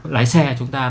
lái xe chúng ta